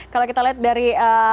kalau kita lihat dari